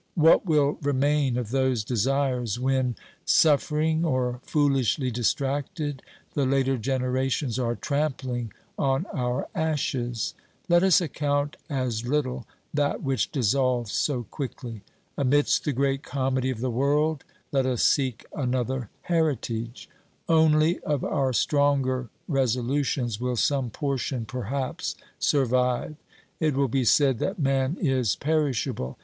What will remain of those desires when, suffering or foolishly distracted, the later generations are trampling on our ashes ! Let us account as little that which dissolves so quickly. Amidst the great comedy of the world, let us seek another heritage ; only of our stronger resolutions will some portion perhaps survive. It will be said that man is perishable.